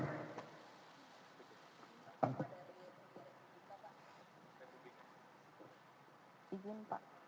terima kasih pak